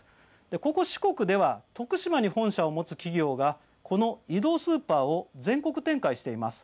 ここ四国では徳島に本社を持つ企業がこの移動スーパーを全国展開しています。